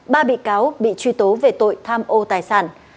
ba bị cáo bị truy tố về tội tham ô tài sản